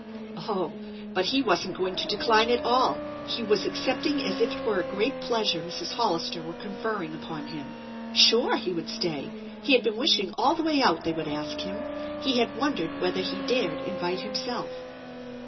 Oh! But he wasn't going to decline at all. He was 202 THE ENCHANTED BARN accepting as if it were a great pleasure Mrs. Hollister was conferring upon him. Sure, he would stay! He had been wishing all the way out they would ask him. He had won dered whether he dared invite himself.